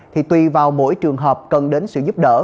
thì tùy vào mỗi trường hợp cần đến sự giúp đỡ